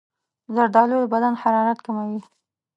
زردالو د بدن حرارت کموي.